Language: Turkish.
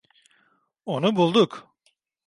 Onu bulduk.